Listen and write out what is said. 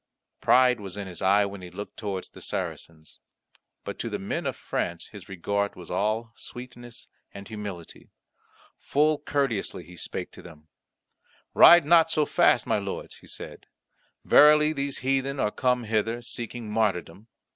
Pride was in his eye when he looked towards the Saracens; but to the men of France his regard was all sweetness and humility. Full courteously he spake to them: "Ride not so fast, my lords," he said; "verily these heathen are come hither, seeking martyrdom.